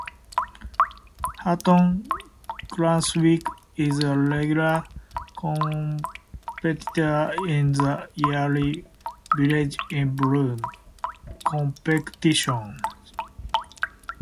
Hutton Cranswick is a regular competitor in the yearly "Village in Bloom" competition.